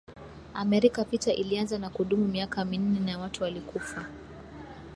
Amerika Vita ilianza na kudumu miaka minne na watu walikufa